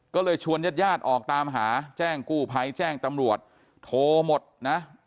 ก็เลยชวนญาติญาติออกตามหาแจ้งกู้ภัยแจ้งตำรวจโทรหมดนะ